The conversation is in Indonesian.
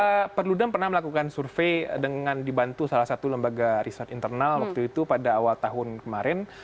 karena perludem pernah melakukan survei dengan dibantu salah satu lembaga riset internal waktu itu pada awal tahun kemarin